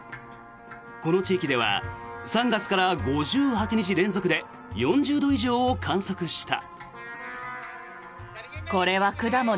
この地域では３月から５８日連続で４０度以上を観測した。